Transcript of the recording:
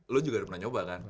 lo juga udah pernah nyoba kan